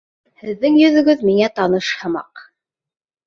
Һеҙҙең йөҙөгөҙ миңә таныш һымаҡ